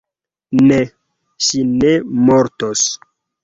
Ne, ŝi ne mortos